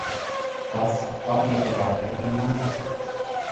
Das war in der Vergangenheit ein Manko.